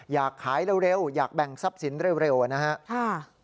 อยากขายเร็วอยากแบ่งทรัพย์สินเร็วนะครับ